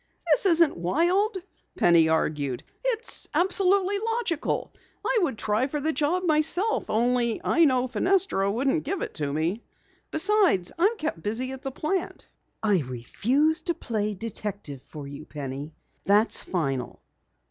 "This isn't wild," Penny argued. "It's absolutely logical. I would try for the job myself only I know Fenestra wouldn't give it to me. Besides, I am kept busy at the plant." "I refuse to play detective for you, Penny. That's final."